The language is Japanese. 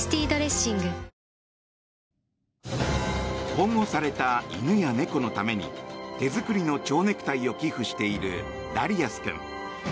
保護された犬や猫のために手作りの蝶ネクタイを寄付しているダリアス君。